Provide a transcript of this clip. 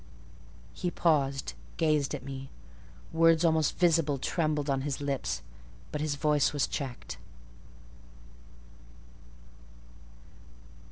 He paused; gazed at me: words almost visible trembled on his lips,—but his voice was checked.